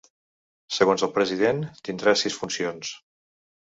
Segons el president, tindrà sis funcions.